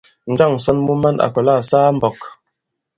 Njâŋ ǹsɔn mu man à kɔ̀la à saa i mbɔk?